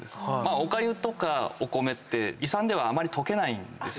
おかゆとかお米って胃酸ではあまり溶けないんです。